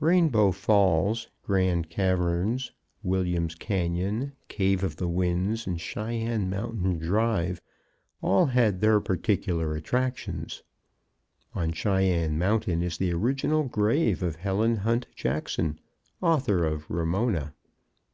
Rainbow Falls, Grand Caverns, William's Canyon, Cave of the Winds and Cheyenne Mountain Drive all had their peculiar attractions. On Cheyenne Mountain is the original grave of Helen Hunt Jackson, author of "Ramona."